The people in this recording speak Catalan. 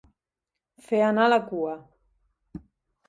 Fer anar la cua.